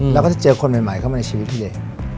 เราก็จะเจอคนใหม่เข้ามาในชีวิตที่เดียว